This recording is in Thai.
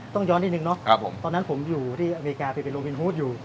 ต้องย้อนที่หนึ่งเนอะครับผมตอนนั้นผมอยู่ที่อเมริกาเปลี่ยนเป็นโรงพิธีฮูสอยู่